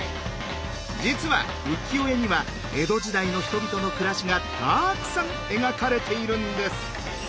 実は浮世絵には江戸時代の人々の暮らしがたくさん描かれているんです。